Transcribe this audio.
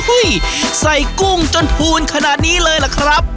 ใส่กุ้งจนพูนขนาดนี้เลยล่ะครับ